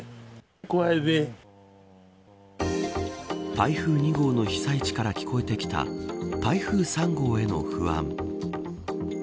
台風２号の被災地から聞こえてきた台風３号への不安。